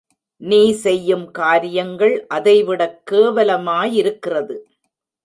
நீ செய்யும் காரியங்கள் அதைவிடக் கேவலமாயிருக்கிறது.